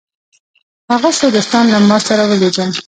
هغه څو دوستان له ما سره ولیدل.